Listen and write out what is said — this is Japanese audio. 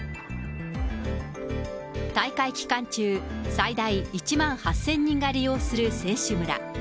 大会期間中、最大１万８０００人が利用する選手村。